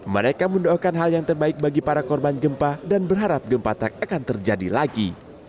mereka mendoakan hal yang terbaik bagi para korban gempa dan berharap gempa tak akan terjadi lagi